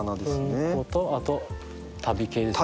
文庫とあと旅系ですね。